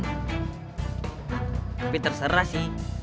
tapi terserah sih